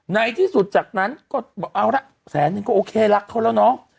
ในที่สุดจากนั้นก็บอกเอาละแสนนึงก็โอเครักเขาแล้วเนาะ